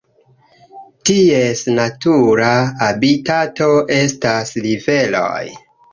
Ties natura habitato estas riveroj.